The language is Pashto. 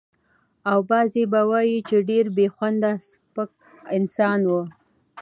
او بعضې به وايي چې ډېر بې خونده سپک انسان و.